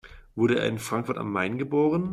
Wurde er in Frankfurt am Main geboren?